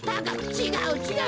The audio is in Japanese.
ちがうちがう！